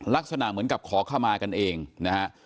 ลักษณะเหมือนกับขอขมากันเองนะฮะ